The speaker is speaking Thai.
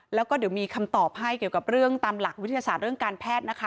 แล้วก็เดี๋ยวมีคำตอบให้เกี่ยวกับเรื่องตามหลักวิทยาศาสตร์เรื่องการแพทย์นะคะ